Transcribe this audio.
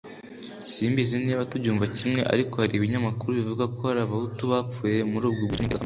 simbizi niba tubyumva kimwe ariko hari ibinyamakuru bivuga ko hari n’abahutu bapfuye muri ubwo bwicanyi ndengakamere”